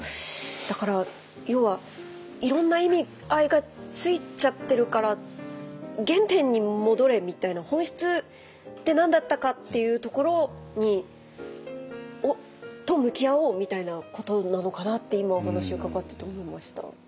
だから要はいろんな意味合いがついちゃってるから原点に戻れみたいな本質って何だったかっていうところと向き合おうみたいなことなのかなって今お話伺ってて思いました。